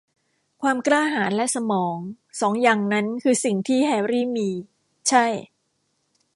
ความกล้าหาญและสมอง สองอย่างนั้นคือสิ่งที่แฮรี่มี -ใช่